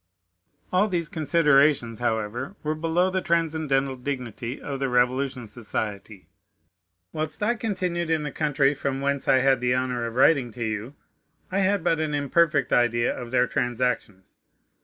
All these considerations, however, were below the transcendental dignity of the Revolution Society. Whilst I continued in the country, from whence I had the honor of writing to you, I had but an imperfect idea of their transactions.